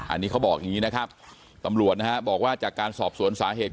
อันนี้เขาบอกอย่างนี้นะครับตำรวจนะฮะบอกว่าจากการสอบสวนสาเหตุ